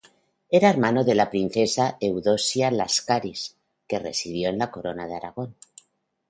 Era hermano de la princesa Eudoxia Láscaris, que residió en la Corona de Aragón.